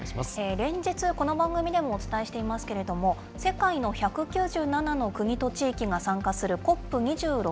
連日、この番組でもお伝えしていますけれども、世界の１９７の国と地域が参加するＣＯＰ２６。